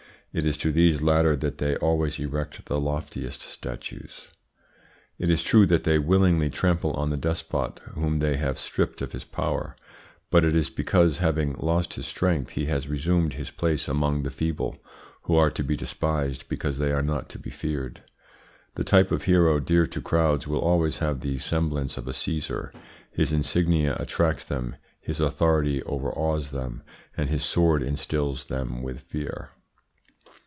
It is to these latter that they always erect the loftiest statues. It is true that they willingly trample on the despot whom they have stripped of his power, but it is because, having lost his strength, he has resumed his place among the feeble, who are to be despised because they are not to be feared. The type of hero dear to crowds will always have the semblance of a Caesar. His insignia attracts them, his authority overawes them, and his sword instils them with fear.